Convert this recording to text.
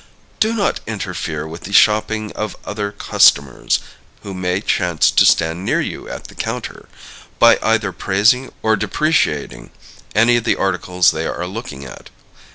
Do not interfere with the shopping of other customers (who may chance to stand near you at the counter), by either praising or depreciating any of the articles they are looking at.